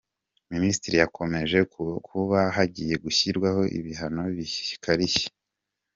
Minisitiri yakomoje ku kuba hagiye gushyirwaho ibihano bikarishye.